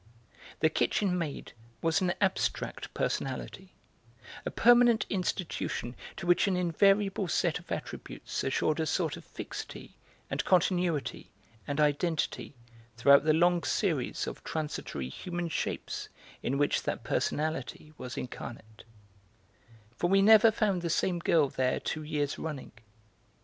The kitchen maid was an abstract personality, a permanent institution to which an invariable set of attributes assured a sort of fixity and continuity and identity throughout the long series of transitory human shapes in which that personality was incarnate; for we never found the same girl there two years running.